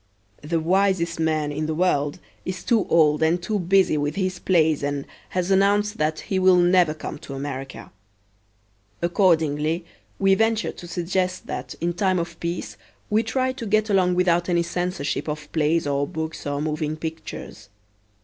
The wisest man in the world is too old and too busy with his plays and has announced that he will never come to America. Accordingly we venture to suggest that in time of peace we try to get along without any censorship of plays or books or moving pictures.